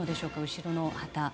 後ろの旗。